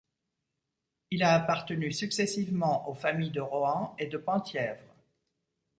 Il a appartenu successivement aux familles de Rohan et de Penthièvre.